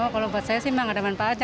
kalau buat saya sih memang ada manfaatnya